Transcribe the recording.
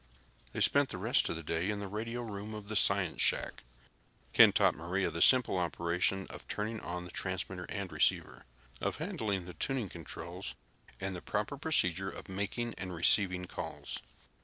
They spent the rest of the day in the radio room of the science shack. Ken taught Maria the simple operations of turning on the transmitter and receiver, of handling the tuning controls, and the proper procedure for making and receiving calls.